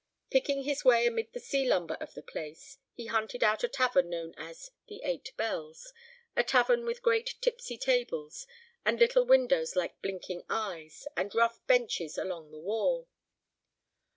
Picking his way amid the sea lumber of the place, he hunted out a tavern known as "The Eight Bells," a tavern with great tipsy tables, and little windows like blinking eyes, and rough benches along the wall.